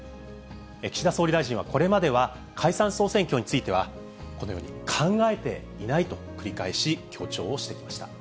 岸田総理大臣は、これまでは、解散・総選挙についてはこのように、考えていないと繰り返し強調をしてきました。